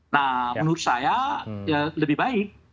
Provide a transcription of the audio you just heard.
nah menurut saya lebih baik